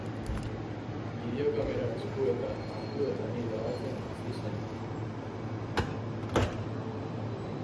Bideokamera eskuetan hartu eta ni grabatzen hasi zen.